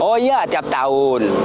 oh iya tiap tahun